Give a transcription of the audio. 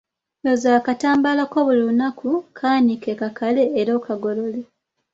Yoza akatambaala ko buli lunaku, kaanike kakale era okagolole.